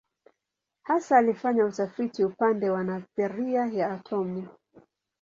Hasa alifanya utafiti upande wa nadharia ya atomu.